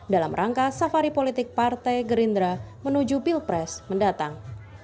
dalam rangka safari politik partai gerindra menuju pilpres mendatang